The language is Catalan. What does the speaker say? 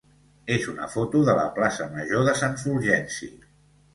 és una foto de la plaça major de Sant Fulgenci.